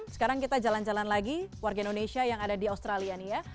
sekarang kita jalan jalan lagi warga indonesia yang ada di australia nih ya